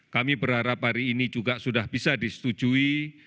kami berharap hari ini juga sudah bisa disetujui